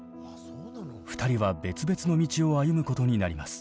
２人は別々の道を歩むことになります。